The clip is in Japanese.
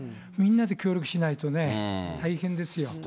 みんなで協力しないとね、大変ですよ。